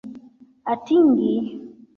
atingi